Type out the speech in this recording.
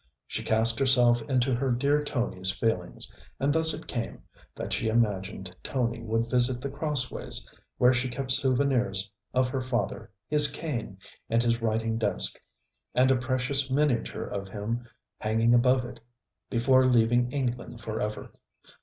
She cast herself into her dear Tony's feelings; and thus it came, that she imagined Tony would visit The Crossways, where she kept souvenirs of her father, his cane, and his writing desk, and a precious miniature of him hanging above it, before leaving England forever.